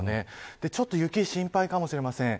ちょっと雪が心配かもしれません。